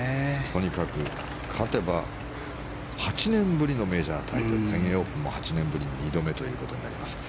とにかく勝てば８年ぶりのメジャータイトル全英オープンも８年ぶり２度目ということになります。